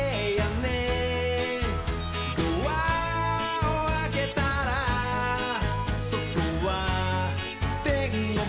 「ドアをあけたらそとはてんごく」